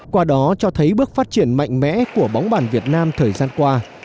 qua đó cho thấy bước phát triển mạnh mẽ của bóng bàn việt nam thời gian qua